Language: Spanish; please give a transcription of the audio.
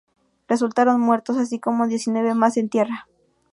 Resultaron muertos, así como diecinueve más en tierra.